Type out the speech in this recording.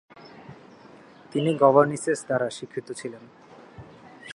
তিনি গভর্নিসেস দ্বারা শিক্ষিত ছিলেন।